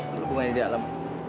belum pernah di dalam